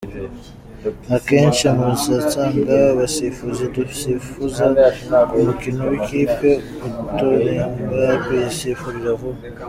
Akenshi muzasanga abasifuzi dusifuza ku mukino w’ikipe atongera kuyisifurira vuba.